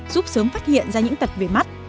giúp sớm phát hiện ra những tật về mắt